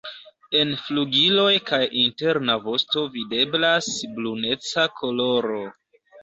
En flugiloj kaj interna vosto videblas bruneca koloro.